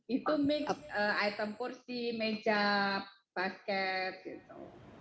itu mix item kursi meja basket gitu